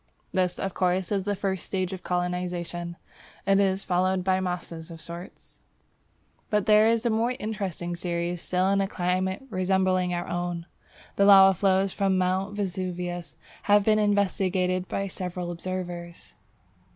This, of course, is the first stage of colonization. It is followed by mosses of sorts. But there is a more interesting series still in a climate resembling our own. The lava flows from Mount Vesuvius have been investigated by several observers.